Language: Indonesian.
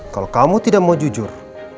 kalau kamu tidak mau jujur